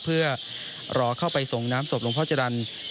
เพื่อรอเข้าไปส่งน้ำศพหลวงพ่อจรรย์